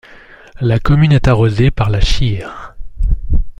La commune est arrosée par la Scheer.